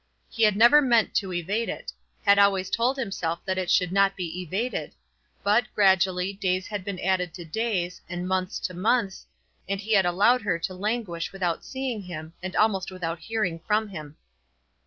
He had never meant to evade it; had always told himself that it should not be evaded; but, gradually, days had been added to days, and months to months, and he had allowed her to languish without seeing him, and almost without hearing from him.